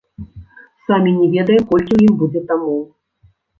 Самі не ведаем, колькі ў ім будзе тамоў.